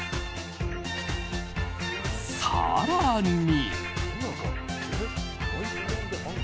更に。